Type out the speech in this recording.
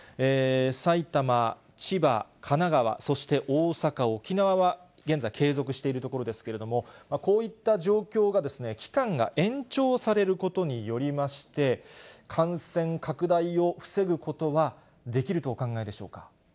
埼玉、千葉、神奈川、そして大阪、沖縄は現在継続している所ですけれども、こういった所が期間が延長されることによりまして、感染拡大を防ぐことはできるとお考えでしょうか。